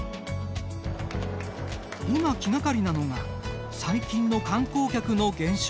今、気がかりなのが最近の観光客の減少。